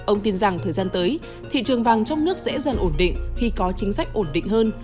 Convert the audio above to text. ông tin rằng thời gian tới thị trường vàng trong nước sẽ dần ổn định khi có chính sách ổn định hơn